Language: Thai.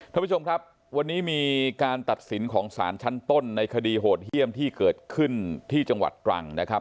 ท่านผู้ชมครับวันนี้มีการตัดสินของสารชั้นต้นในคดีโหดเยี่ยมที่เกิดขึ้นที่จังหวัดตรังนะครับ